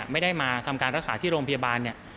ไม่ได้มาทำการรักษาที่โรงพยาบาล